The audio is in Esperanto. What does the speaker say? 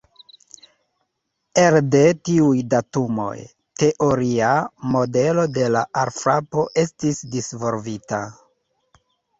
Elde tiuj datumoj, teoria modelo de la alfrapo estis disvolvita.